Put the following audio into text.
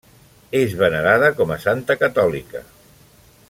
És venerada com a santa catòlica.